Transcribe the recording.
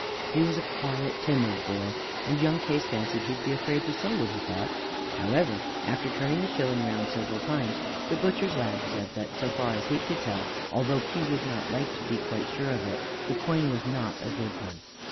He was a quiet, timid boy, and young Case fancied that he would be afraid to say what he thought. However, after turning the shilling round several times, the butcher's lad said that so far as he could tell, although he would not like to be quite sure of it, the coin was not a good one.